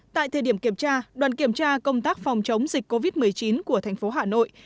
tại thời điểm kiểm tra đoàn kiểm tra công tác phòng chống dịch covid một mươi chín của thành phố hà nội